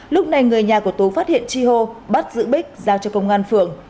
lúc này người nhà của tú phát hiện chi hô bắt giữ bích giao cho công an phường